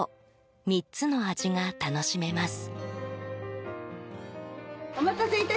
３つの味が楽しめます。